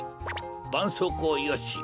ばんそうこうよし。